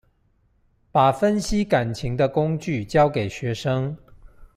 把分析感情的工具教給學生